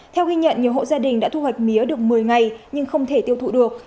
theo ghi nhận nhiều hộ gia đình đã thu hoạch mía được một mươi ngày nhưng không thể tiêu thụ được